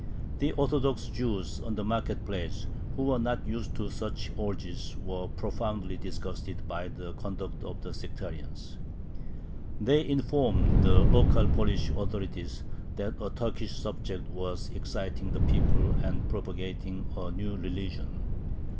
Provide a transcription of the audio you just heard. The Orthodox Jews on the market place, who were not used to such orgies, were profoundly disgusted by the conduct of the sectarians. They informed the local Polish authorities that a Turkish subject was exciting the people and propagating a new religion.